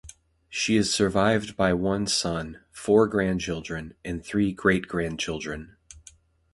She is survived by one son, four grandchildren, and three great-grandchildren.